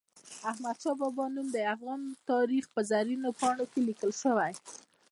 د احمد شاه بابا نوم د افغان تاریخ په زرینو پاڼو کې لیکل سوی.